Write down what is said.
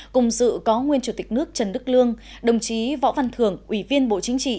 cùng dự có nguyên chủ tịch nước trần đức lương đồng chí võ văn thưởng ủy viên bộ chính trị